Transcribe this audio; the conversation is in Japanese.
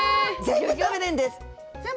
全部食べれるんです！